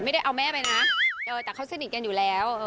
ไม่ได้เอาแม่ไปนะแต่เขาสนิทกันอยู่แล้ว